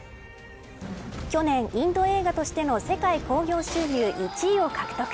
去年、インド映画としての世界興行収入１位を獲得。